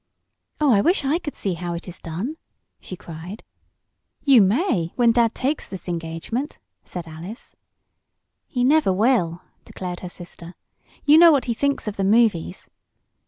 "Oh, I wish I could see how it is done!" she cried. "You may when dad takes this engagement," said Alice. "He never will," declared her sister. "You know what he thinks of the movies."